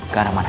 ke arah mana